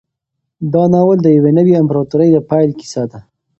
دا ناول د یوې نوې امپراطورۍ د پیل کیسه ده.